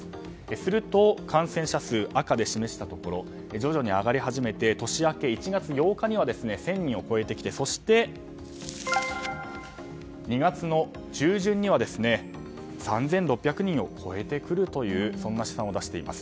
すると、感染者数赤で示したところ徐々に上がり始めて年明け１月８日には１０００人を超えてきてそして、２月の中旬には３６００人を超えてくるというそんな試算を出しています。